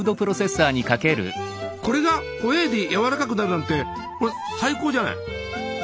これがホエーでやわらかくなるなんて最高じゃない！